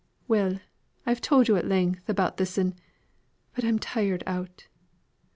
Well, I've told yo' at length about this'n, but I am tired out.